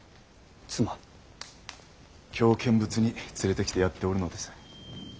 京見物に連れてきてやっておるのです。